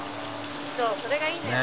「そうそれがいいんだよ。